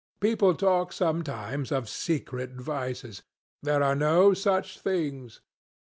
People talk sometimes of secret vices. There are no such things.